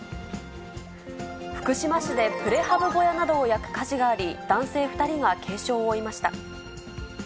福島市でプレハブ小屋などを焼く火事があり、男性２人が軽傷を負いました。